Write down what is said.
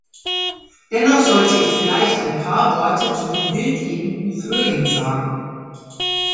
Dennoch sollte ich vielleicht ein paar Worte zu den wildlebenden Vögeln sagen.